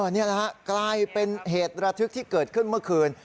นี่แหละฮะกลายเป็นเหตุระทึกที่เกิดขึ้นเมื่อคืน